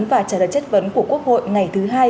và trả lời chất vấn của quốc hội ngày thứ hai